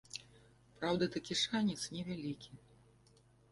Праўда, такі шанец невялікі.